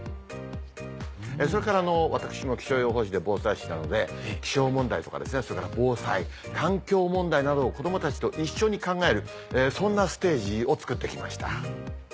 それから私も気象予報士で防災士なので気象問題とか防災環境問題などを子供たちと一緒に考えるそんなステージをつくって来ました。